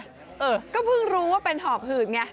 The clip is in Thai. เออก็เพิ่งรู้ว่าเป็นหอบหืดไง